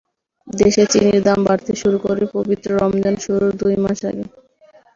দেশে চিনির দাম বাড়তে শুরু করে পবিত্র রমজান শুরুর দুই মাস আগে।